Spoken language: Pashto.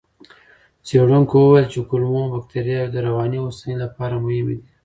څېړونکو وویل چې کولمو بکتریاوې د رواني هوساینې لپاره مهمې دي.